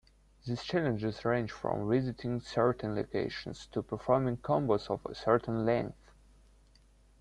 These challenges range from visiting certain locations to performing combos of a certain length.